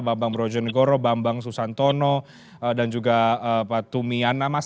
pak bang brojen goro pak bang susanto dan juga pak tumiana